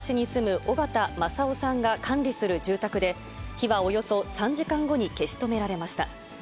火元は大分市に住む緒方正夫さんが管理する住宅で、火はおよそ３時間後に消し止められました。